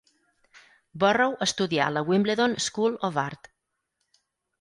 Borrow estudià a la Wimbledon School of Art.